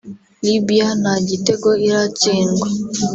Libya nta gitego iratsindwa